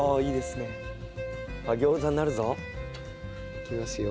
いきますよ